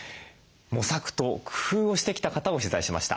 模索と工夫をしてきた方を取材しました。